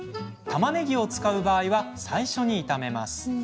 たまねぎを使う場合は最初に炒めます。